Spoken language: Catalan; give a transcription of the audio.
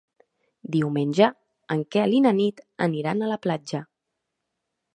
Diumenge en Quel i na Nit aniran a la platja.